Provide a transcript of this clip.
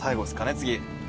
次。